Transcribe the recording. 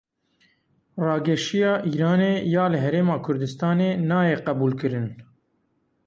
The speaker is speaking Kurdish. Rageşiya Îranê ya li Herêma Kurdistanê nayê qebûlkirin.